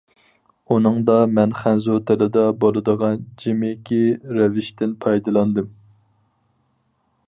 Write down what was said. ئۇنىڭدا مەن خەنزۇ تىلىدا بولىدىغان جىمىكى رەۋىشتىن پايدىلاندىم.